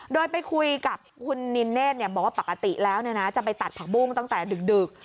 โดยไปคุยกับคุณนินเนธบอกว่าปกติแล้วจะไปตัดผักบุ้งตั้งแต่ดึก